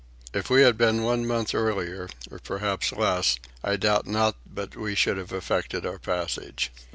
If we had been one month earlier, or perhaps less, I doubt not but we should have effected our passage.